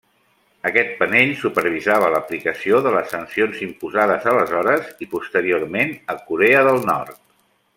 Aquest panell supervisava l'aplicació de les sancions imposades aleshores i posteriorment a Corea del Nord.